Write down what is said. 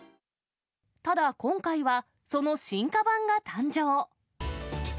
ただ、今回はその進化版が誕生。